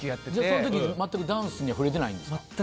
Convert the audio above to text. その時は全くダンスには触れてないんですか。